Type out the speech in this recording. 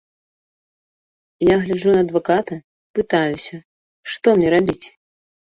Я гляджу на адваката, пытаюся, што мне рабіць?